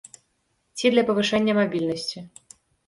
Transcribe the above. Ці для павышэння мабільнасці.